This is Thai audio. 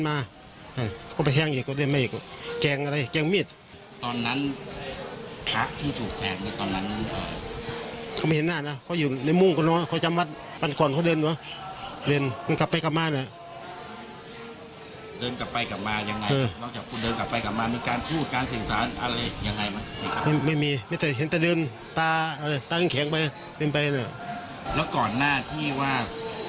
ไม่มีไม่ได้เห็นตั้งแต่เดินตาตามเห็นแข็งไปเดินไปอ่ะ